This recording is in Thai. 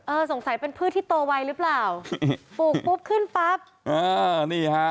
สงสัยเป็นพืชที่โตไวหรือเปล่าปลูกปุ๊บขึ้นปั๊บอ่านี่ฮะ